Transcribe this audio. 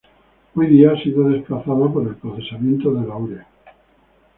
Hoy día ha sido desplazada por el procesamiento de urea.